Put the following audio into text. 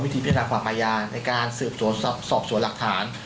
ได้ไปสอบหาของกองสลักให้ไหม